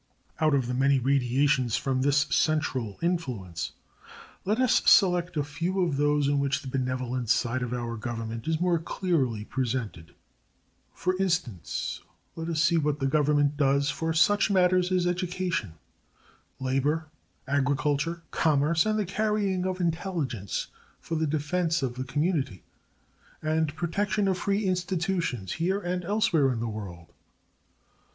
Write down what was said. Out of the many radiations from this central influence, let us select a few of those in which the benevolent side of our Government is more clearly presented. For instance, let us see what the Government does for such matters as education, labor, agriculture, commerce, and the carrying of intelligence, for the defense of the community, and protection of free institutions here and elsewhere in the world.